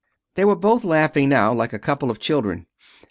They were both laughing now, like a couple of children.